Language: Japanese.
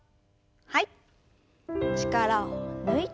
はい。